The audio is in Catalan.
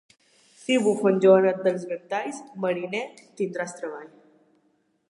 Si bufa en Joanet dels ventalls, mariner, tindràs treballs.